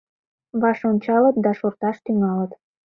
Ваш ончалыт да шорташ тӱҥалыт.